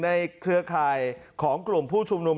เครือข่ายของกลุ่มผู้ชุมนุม